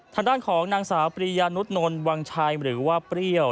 ทางด้านของนางสาวปริยานุษนนท์วังชัยหรือว่าเปรี้ยว